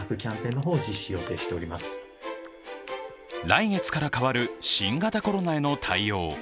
来月から変わる新型コロナへの対応。